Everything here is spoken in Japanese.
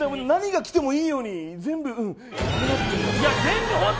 何が来てもいいように。